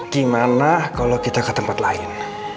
gimana kalau kita ke tempat lain